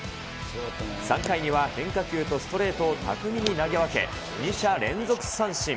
３回には変化球とストレートを巧みに投げ分け、２者連続三振。